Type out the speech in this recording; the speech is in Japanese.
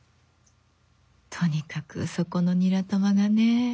とにかくそこのニラ玉がね。